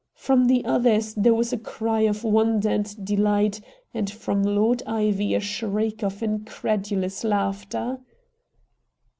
From the others there was a cry of wonder and delight, and from Lord Ivy a shriek of incredulous laughter.